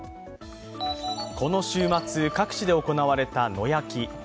この週末、各地で行われた野焼き